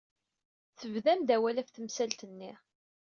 Tebdam-d awal ɣef temsalt-nni.